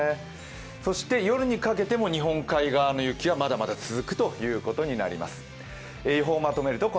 そして夜にかけても日本海側の雪はまだまだ続くことになります。